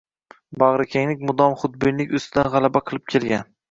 Bag‘rikenglik mudom xudbinlik ustidan g‘alaba qilib kelgan